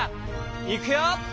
いくよ！